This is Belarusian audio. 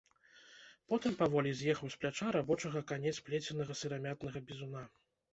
Потым паволі з'ехаў з пляча рабочага канец плеценага сырамятнага бізуна.